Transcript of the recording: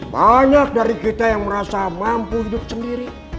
banyak dari kita yang merasa mampu hidup sendiri